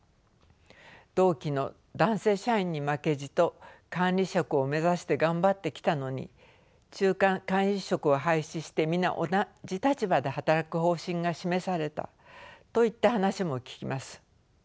同期の男性社員に負けじと管理職を目指して頑張ってきたのに中間管理職を廃止して皆同じ立場で働く方針が示されたといった話も聞きます。